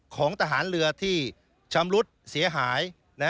ของทหารเรือที่ชำรุดเสียหาย